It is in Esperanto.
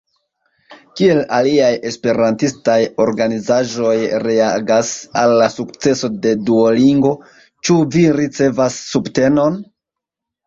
Kiel aliaj esperantistaj organizaĵoj reagas al la sukceso de Duolingo, ĉu vi ricevas subtenon?